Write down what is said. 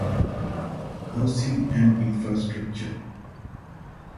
ހައުސިންގ އެންޑް އިންފްރާންސްޓްރަކްޗަރ